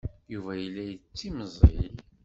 Yuba yella yettimẓiy.